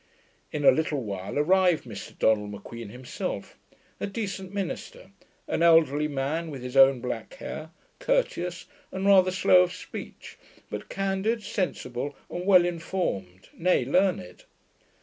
In a little while arrived Mr Donald M'Queen himself; a decent minister, an elderly man with his own black hair, courteous, and rather slow of speech, but candid, sensible and well informed, nay learned.